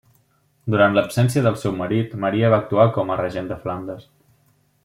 Durant l'absència del seu marit, Maria va actuar com a regent de Flandes.